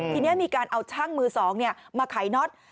ทีนี้มีการเอาช่างมือ๒มาขายน็อต